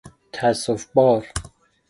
تأسف بار